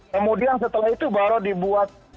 kemudian setelah itu baru dibuat